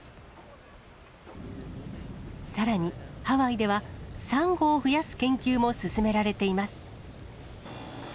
さらに、ハワイではサンゴを増やす研究も進められています。